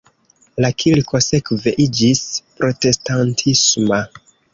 La kirko sekve iĝis protestantisma.